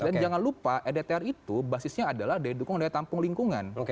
dan jangan lupa rdtr itu basisnya adalah daya dukung dan daya tampung lingkungan